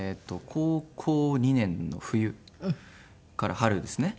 高校２年の冬から春ですね。